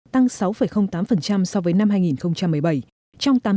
tăng sáu tám so với năm hai nghìn một mươi bảy